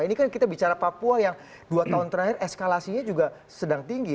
ini kan kita bicara papua yang dua tahun terakhir eskalasinya juga sedang tinggi